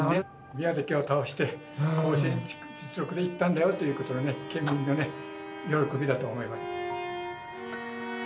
宮崎を倒して甲子園実力で行ったんだよということがね県民のね喜びだと思います。